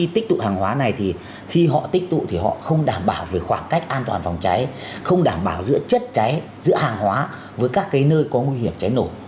tích tụ thì họ không đảm bảo về khoảng cách an toàn phòng cháy không đảm bảo giữa chất cháy giữa hàng hóa với các cái nơi có nguy hiểm cháy nổ